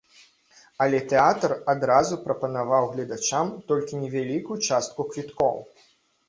Але тэатр адразу прапанаваў гледачам толькі невялікую частку квіткоў.